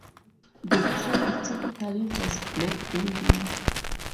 The tail typically has black banding.